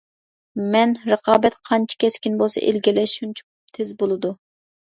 مەن: رىقابەت قانچە كەسكىن بولسا ئىلگىرىلەش شۇنچە تىز بولىدۇ.